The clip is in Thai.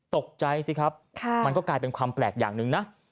ตกใจสิครับมันก็กลายเป็นความแปลกอย่างหนึ่งนะ